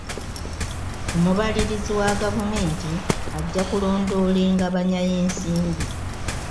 Omubalirizi wa gavumenti ajja kulondoola engabanya y'ensimbi.